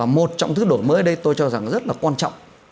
một trong những thứ đổi mới ở đây tôi cho rằng rất quan trọng